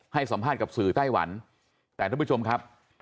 ให้สัมภาษณ์กับสื่อไต้หวันแต่ท่านผู้ชมครับ